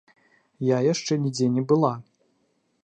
Я яшчэ нідзе не была.